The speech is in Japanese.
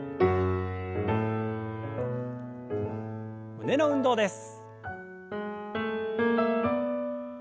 胸の運動です。